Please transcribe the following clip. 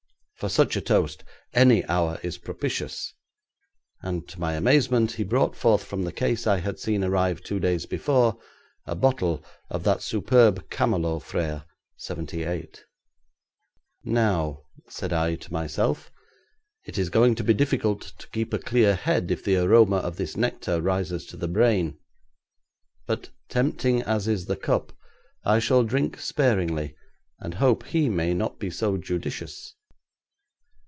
For such a toast any hour is propitious,' and to my amazement he brought forth from the case I had seen arrive two days before, a bottle of that superb Camelot Frères '78. 'Now,' said I to myself, 'it is going to be difficult to keep a clear head if the aroma of this nectar rises to the brain. But tempting as is the cup, I shall drink sparingly, and hope he may not be so judicious.'